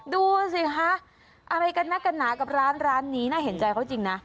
ดูสิคะอะไรกันนักกันหนากับร้านร้านนี้น่าเห็นใจเขาจริงนะ